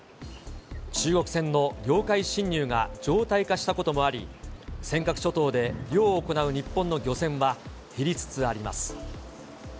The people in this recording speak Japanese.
中国船の領海侵入が常態化したこともあり、尖閣諸島で漁を行う日本の漁船は減りつつあります。